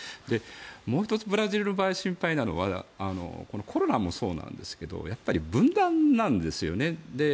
もう１つ、ブラジルの場合心配なのはこのコロナもそうなんですがやっぱり分断なんです。